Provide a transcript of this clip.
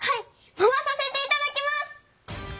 まわさせていただきます！